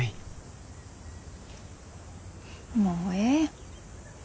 もうええ。